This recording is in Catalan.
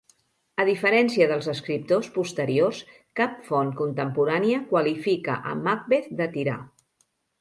A diferència dels escriptors posteriors, cap font contemporània qualifica a Macbeth de tirà.